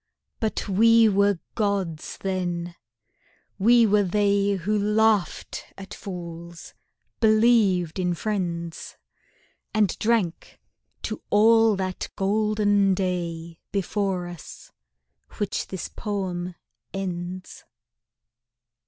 But we were Gods then: we were they Who laughed at fools, believed in friends, And drank to all that golden day Before us, which this poem ends.